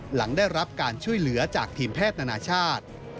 หลังได้รับการช่วยเหลือจากทีมแพทย์นานาชาติ